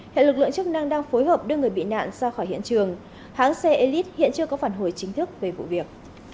hệ lực lượng chức năng đang phối hợp đưa người bị nạn ra khỏi hiện trường hãng xe elite hiện chưa có phản hồi chính thức về vụ việc